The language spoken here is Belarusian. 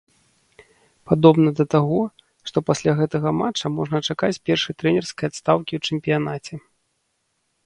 Падобна да таго, што пасля гэтага матча можна чакаць першай трэнерскай адстаўкі ў чэмпіянаце.